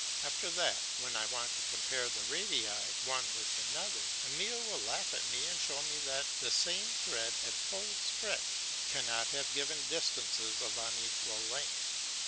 After that, when I want to compare the radii one with another, Emile will laugh at me and show me that the same thread at full stretch cannot have given distances of unequal length.